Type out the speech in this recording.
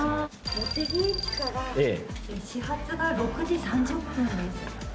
茂木駅から始発が６時３０分です。